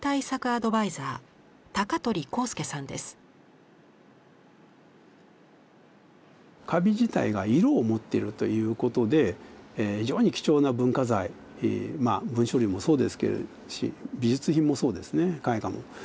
アドバイザーカビ自体が色を持ってるということで非常に貴重な文化財文書類もそうですし美術品もそうですね絵画も。